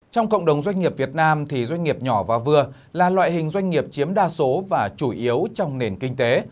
trong cộng đồng doanh nghiệp việt nam thì doanh nghiệp nhỏ và vừa là loại hình doanh nghiệp chiếm đa số và chủ yếu trong nền kinh tế